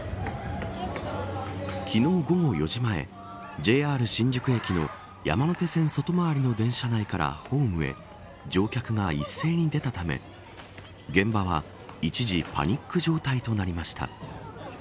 ＪＲ新宿駅の山手線外回りの電車内からホームへ乗客が一斉に出たため現場は一時パニック状態となりました。